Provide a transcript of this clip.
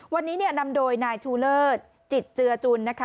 วันนี้นำโดยนายชูเลิศจิตเจือจุนนะคะ